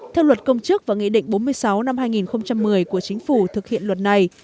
theo luật công chức và nghị định bốn mươi sáu năm hai nghìn một mươi của chính phủ thực hiện luật này